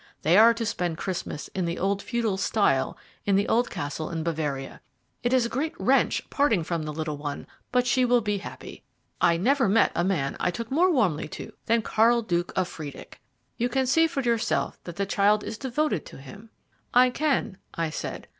They are to spend Christmas in the old feudal style in the old castle in Bavaria. It is a great wrench parting from the little one, but she will be happy. I never met a man I took more warmly to than Karl Duke of Friedeck. You can see for yourself that the child is devoted to him." "I can," I said.